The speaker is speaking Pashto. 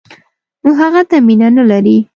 نو هغه ته مینه نه لري.